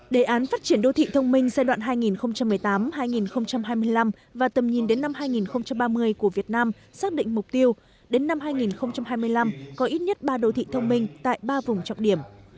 đề án phát triển đô thị thông minh giai đoạn hai nghìn một mươi tám hai nghìn hai mươi năm và tầm nhìn đến năm hai nghìn ba mươi của việt nam xác định mục tiêu đến năm hai nghìn hai mươi năm có ít nhất ba đô thị thông minh tại ba vùng trọng điểm